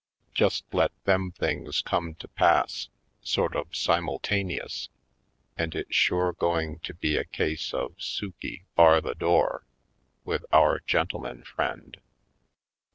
Just let them things come to pass, sort of simultaneous, and it's sure go Pistol Plays 237 ing to be a case of Sukey, bar the door, with our gentleman friend!